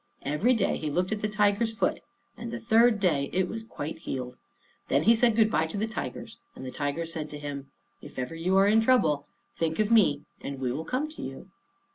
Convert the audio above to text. Every day he looked at the tiger's foot, and the third day it was quite healed. Then he said good by to the tigers, and the tiger said to him, "If ever you are in trouble, think of me, and we will come to you."